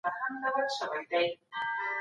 سياست پوهنه د پوهې يوه پراخه څانګه ده.